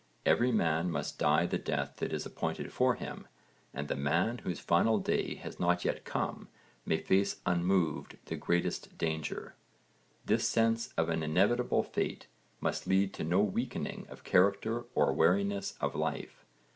Every man must die the death that is appointed for him, and the man whose final day has not yet come may face unmoved the greatest danger. This sense of an inevitable fate must lead to no weakening of character or weariness of life.